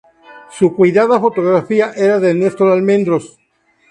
Su cuidada fotografía era de Nestor Almendros.